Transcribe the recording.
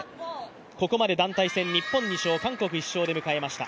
ここまで団体戦、日本２勝、韓国１勝で迎えました。